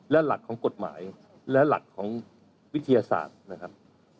และหลักของกฎหมายและหลักของวิทยาศาสตร์นะครับ